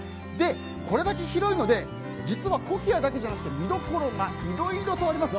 これだけ広いので実はコキアだけじゃなくて見どころがいろいろとあります。